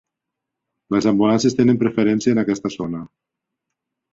Les ambulàncies tenen preferència en aquesta zona.